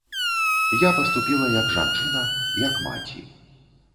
Я паступіла як жанчына, як маці.